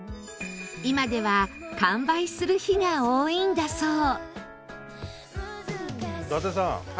今では完売する日が多いんだそう